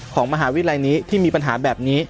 ของมหาวิทยาลัยนี้ที่มีปัญหาแบบนี้